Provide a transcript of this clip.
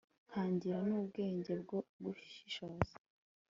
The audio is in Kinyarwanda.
nkagira n'ubwenge bwo gushishoza